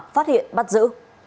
phát hiện bắt giữ